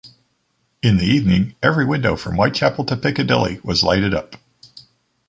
In the evening every window from Whitechapel to Piccadilly was lighted up.